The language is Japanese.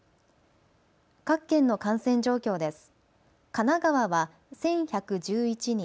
各県の感染状況です。